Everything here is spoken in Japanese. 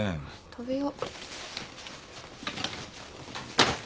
食べよ。